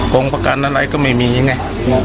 งงประกันอะไรก็ไม่มีไง